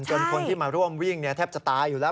คนที่มาร่วมวิ่งแทบจะตายอยู่แล้ว